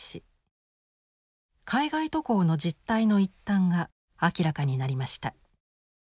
海外渡航の実態の一端が明らかになりました。